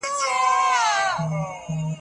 د هغې سر درد کوي، د هغه هم سر درد کوي.